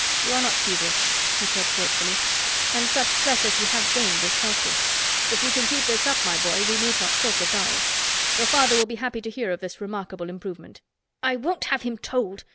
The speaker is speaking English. "You are not feverish," he said thoughtfully, "and such flesh as you have gained is healthy. If you can keep this up, my boy, we need not talk of dying. Your father will be happy to hear of this remarkable improvement." "I won't have him told!"